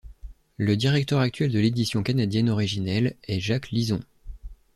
Le directeur actuel de l'édition canadienne originelle est Jacques Lison.